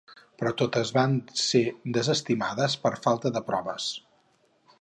Però totes van ser desestimades per falta de proves.